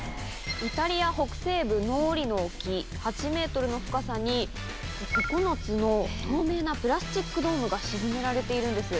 イタリア北西部ノーリの沖８ｍの深さに９つの透明なプラスチックドームが沈められているんです。